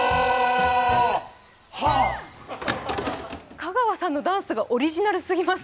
香川さんのダンスがオリジナルすぎます。